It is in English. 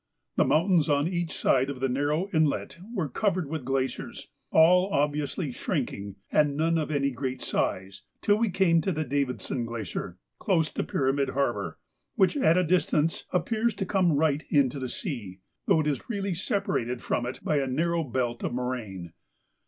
The mountains on each side of the narrow inlet were covered with glaciers, all obviously shrinking, and none of any great size, till we came to the Davidson Glacier, close to Pyramid Harbour, which at a distance appears to come right into the sea, though it is really separated from it by a narrow belt of moraine.